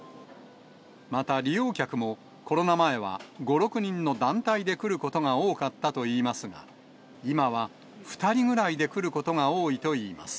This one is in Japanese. また利用客もコロナ前は５、６人の団体で来ることが多かったといいますが、今は２人ぐらいで来ることが多いといいます。